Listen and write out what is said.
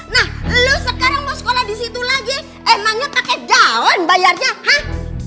nah lu sekarang mau sekolah disitu lagi emangnya pake daun bayarnya hah